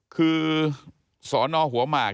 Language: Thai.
คือสนหัวหมาก